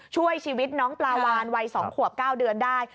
ช่วยชีวิตน้องปลาวานวัย๒ขวบ๙เดือนได้